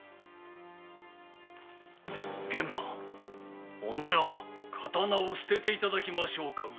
玄蕃おのれは刀を捨てていただきましょうか。